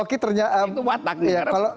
itu watak negara begitu